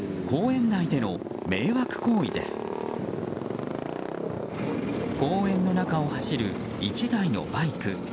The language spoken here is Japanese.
公園の中を走る１台のバイク。